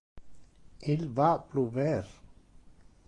Il va pluver.